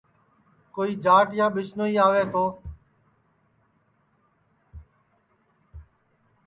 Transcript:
کوئی جاٹ یا ٻِسنوئی آوے تو اُسسے پاٹؔی مانگی کن لاوٹؔا پڑتا ہے اِدؔا مھوڑی ہوئی گی